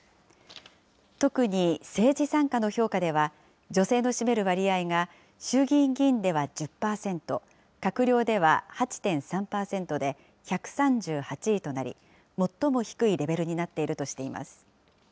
特に政治参加の評価では、女性の占める割合が衆議院議員では１０％、閣僚では８．３％で１３８位となり、最も低いレベルになっているとしています。